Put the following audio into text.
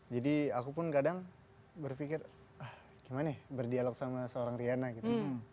jadi aku pun kadang berpikir gimana berdialog sama seorang riana gitu